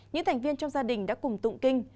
những thành viên trong gia đình đã cùng tụng kinh